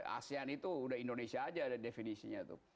asean itu udah indonesia aja ada definisinya tuh